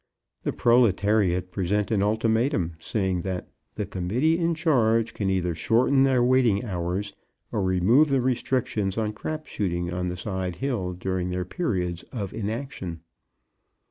The proletariat present an ultimatum, saying that the Committee in charge can either shorten their waiting hours or remove the restrictions on crap shooting on the side hill during their periods of inaction.